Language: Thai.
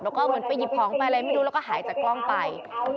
แล้วก็เหมือนไปหยิบของไปอะไรไม่รู้แล้วก็หายจากกล้องไป